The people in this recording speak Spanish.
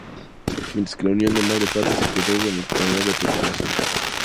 Mientras que Unión de Mar del Plata se quedó con el Torneo Preparación.